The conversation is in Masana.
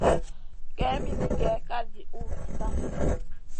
Kaïn mi gigè kalgi uhgida.